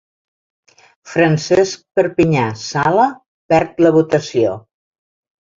Francesc Perpinyà Sala perd la votació.